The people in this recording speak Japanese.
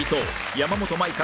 山本舞香